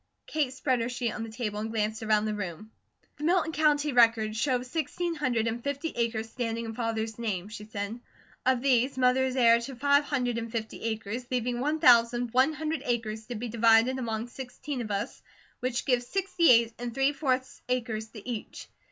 Kate spread her sheet on the table and glanced around the room: "The Milton County records show sixteen hundred and fifty acres standing in Father's name," she said. "Of these, Mother is heir to five hundred and fifty acres, leaving one thousand one hundred acres to be divided among sixteen of us, which give sixty eight and three fourths acres to each.